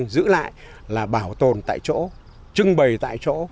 giữ lại là bảo tồn tại chỗ trưng bày tại chỗ